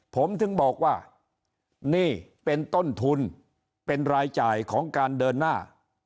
ผมถึงบอกว่านี่เป็นต้นทุนเป็นรายจ่ายของการเดินหน้า